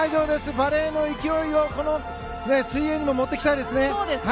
バレーの勢いをこの水泳にも持ってきたいですね。